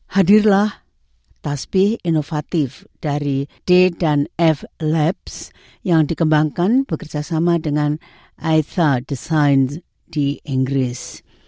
hadirlah tasbih inovatif dari d f labs yang dikembangkan bekerjasama dengan aitha designs di inggris